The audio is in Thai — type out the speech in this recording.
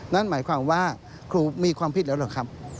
นั่นหมายความว่าครูมีความผิดแล้วหรือครับ